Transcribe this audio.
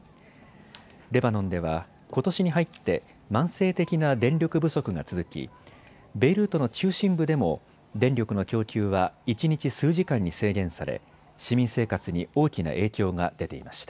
レバノンでは、ことしに入って慢性的な電力不足が続きベイルートの中心部でも電力の供給は一日数時間に制限され市民生活に大きな影響が出ていました。